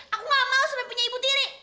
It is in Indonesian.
aku gak mau sudah punya ibu tiri